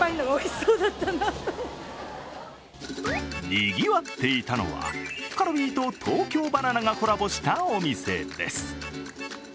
にぎわっていたのは、カルビーと東京ばな奈がコラボしたお店です。